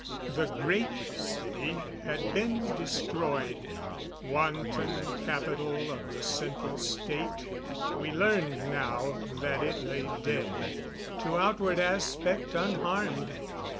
The Great City had been destroyed. Wanton capital of the Central State, we learned now that it lay dead. To outward aspect, unharmed.